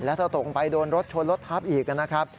แล้วถ้าตกไปโดนรถชนรถทับอีกนะครับ